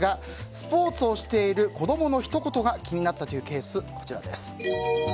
スポーツをしている子供のひと言が気になったというケース、こちら。